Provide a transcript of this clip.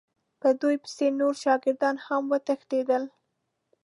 په دوی پسې نور شاګردان هم وتښتېدل.